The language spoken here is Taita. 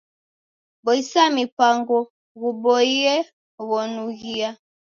Boisa mpango ghuboie ghonughia.